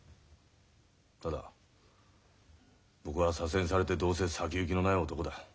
ただ僕は左遷されてどうせ先行きのない男だ。